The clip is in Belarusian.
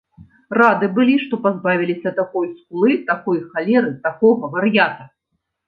Рады былі, што пазбавіліся такой скулы, такой халеры, такога вар'ята.